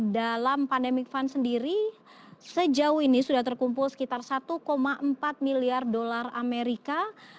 dalam pandemic fund sendiri sejauh ini sudah terkumpul sekitar satu empat miliar dolar amerika